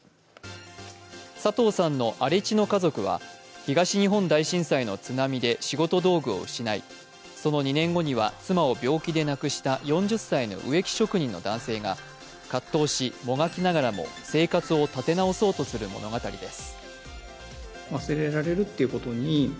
佐藤さんの「荒地の家族」は、東日本大震災の津波で仕事道具を失い、その２年後には妻を病気で亡くした、４０歳の植木職人の男性が葛藤しもがきながらも生活を立て直そうとする物語です。